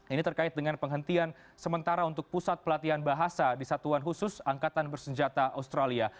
ini terkait dengan penghentian sementara untuk pusat pelatihan bahasa di satuan khusus angkatan bersenjata australia